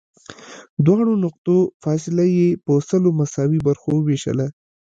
دواړو نقطو فاصله یې په سلو مساوي برخو ووېشله.